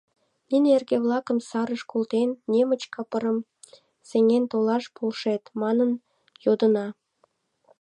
Нине эрге-влакым сарыш колтен, немыч капырым сеҥен толаш полшет, манын йодына.